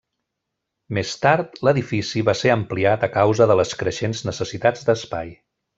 Més tard l'edifici va ser ampliat a causa de les creixents necessitats d'espai.